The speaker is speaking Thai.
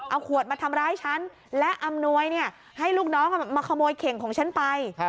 เอาขวดมาทำร้ายฉันและอำนวยให้ลูกน้องมาขโมยเข่งของฉันไป